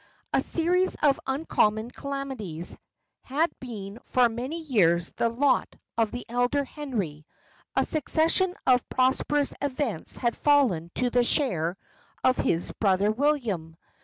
A series of uncommon calamities had been for many years the lot of the elder Henry; a succession of prosperous events had fallen to the share of his brother William.